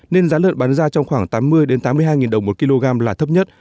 nên giá lợn bán ra trong khoảng tám mươi tám mươi hai đồng một kg là thấp nhất